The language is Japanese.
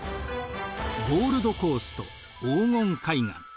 ゴールドコースト黄金海岸。